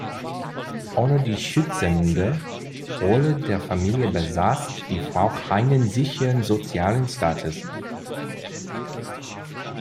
Ohne die schützende Rolle der Familie besaß die Frau keinen sicheren sozialen Status.